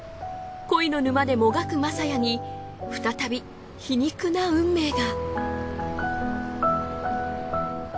恋の沼でもがく雅也に再び皮肉な運命が。